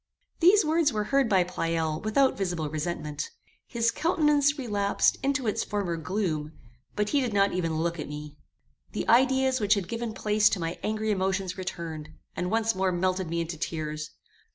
These words were heard by Pleyel without visible resentment. His countenance relapsed into its former gloom; but he did not even look at me. The ideas which had given place to my angry emotions returned, and once more melted me into tears.